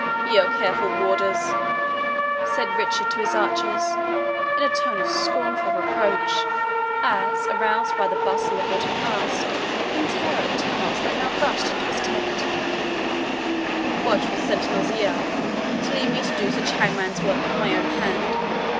"Ye are careful warders," said Richard to his archers, in a tone of scornful reproach, as, aroused by the bustle of what had passed, in terror and tumult they now rushed into his tent; "watchful sentinels ye are, to leave me to do such hangman's work with my own hand.